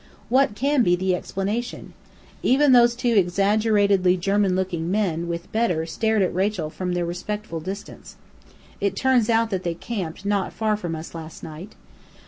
What can be the explanation? Even those two exaggerately German looking men with Bedr stared at Rachel from their respectful distance. It turns out that they camped not far from us last night.